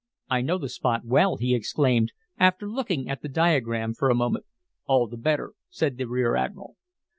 "I know the spot well," he exclaimed, after looking at the diagram for a moment. "All the better," said the rear admiral.